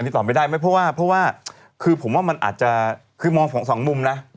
อันนี้ตอบไม่ได้เพราะว่าคือผมว่ามันอาจจะคือมองสองมุมนะ